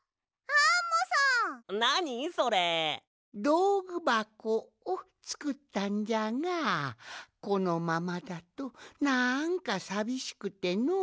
どうぐばこをつくったんじゃがこのままだとなんかさびしくてのう。